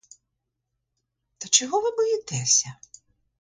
Та чого ви боїтеся?